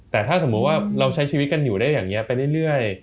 แต่ถ้าสมมุติว่าเราใช้ชีวิตกันอยู่ได้อย่างนี้ไปเรื่อย